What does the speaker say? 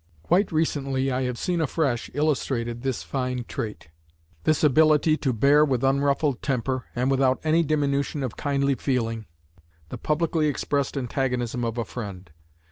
Quite recently I have seen afresh illustrated this fine trait, this ability to bear with unruffled temper, and without any diminution of kindly feeling, the publicly expressed antagonism of a friend.